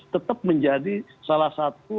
tetap menjadi salah satu